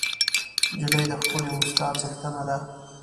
نجلۍ د ښکلې موسکا څښتنه ده.